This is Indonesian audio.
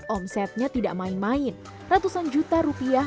omsetnya tidak main main ratusan juta rupiah